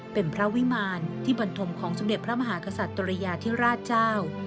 เป็นพระวิมารที่บรรทมของสมเด็จพระมหากษัตริยาธิราชเจ้า